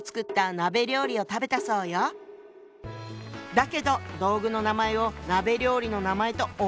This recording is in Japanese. だけど道具の名前を鍋料理の名前と思い込んでしまったの。